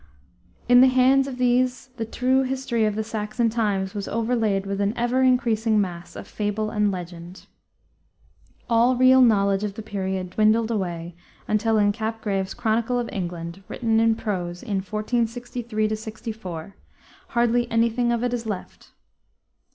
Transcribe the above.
In the hands of these the true history of the Saxon times was overlaid with an ever increasing mass of fable and legend. All real knowledge of the period dwindled away until in Capgrave's Chronicle of England, written in prose in 1463 64, hardly any thing of it is left.